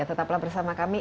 tetaplah bersama kami